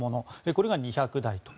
これが２００台と。